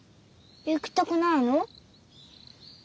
行きたくないの？